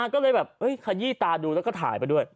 ก็เลยแบบขยี้ตาดูแล้วก็ถ่ายไปด้วย